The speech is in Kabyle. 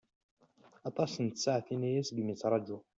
Aṭas n tsaɛtin-aya seg mi i ttṛajuɣ.